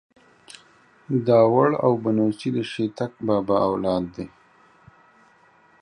داوړ او بنوڅي ده شيتک بابا اولاد دې.